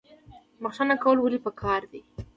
بخښنه کول ولې پکار دي؟